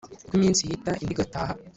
Uko iminsi ihita indi igataha